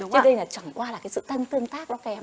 thế đây là chẳng qua là sự tân tương tác đó kém